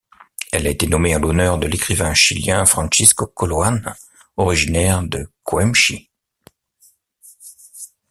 Elle a été nommée en l’honneur de l'écrivain chilien Francisco Coloane, originaire de Quemchi.